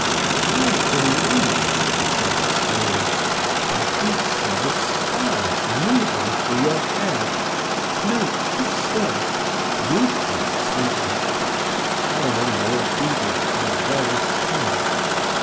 "I believe," he said slowly, "I can see the stars moving through your hair. No, keep still, you can't see them." Helena lay obediently very still.